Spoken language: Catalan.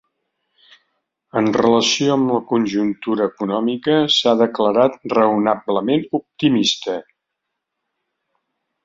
En relació amb la conjuntura econòmica, s’ha declarat ‘raonablement optimista’.